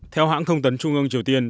theo hãng thông tấn trung ương triều tiên